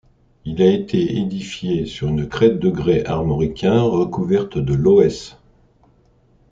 Il a été édifié sur une crête de grès armoricain recouverte de loess.